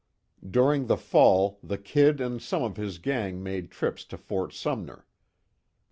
During the fall the "Kid" and some of his gang made trips to Fort Sumner.